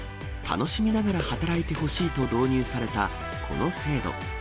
楽しみながら働いてほしいと導入されたこの制度。